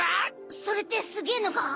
それってすげえのか！？